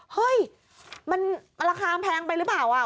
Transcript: เฮ้ยมันราคาแพงไปหรือเปล่า